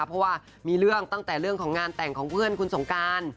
เพราะว่ามีเรื่องตั้งแต่เรื่องของงานแต่งของเพื่อนคุณสงการ